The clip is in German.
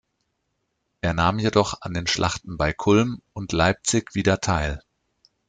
Er nahm jedoch an den Schlachten bei Kulm und Leipzig wieder teil.